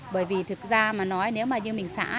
bởi vì thực ra nếu như mình xã